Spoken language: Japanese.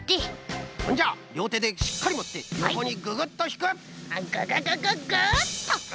ほんじゃりょうてでしっかりもってよこにググッとひく！